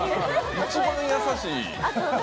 一番優しい。